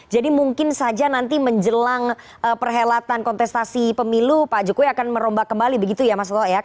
jadi mungkin saja nanti menjelang perhelatan kontestasi pemilu pak jokowi akan merombak kembali begitu ya mas loh ya